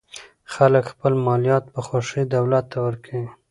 خلک خپل مالیات په خوښۍ دولت ته ورکوي.